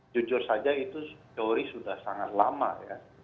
jujur saja itu teori sudah sangat lama ya